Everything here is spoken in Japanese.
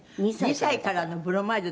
「２歳からのブロマイドだけで」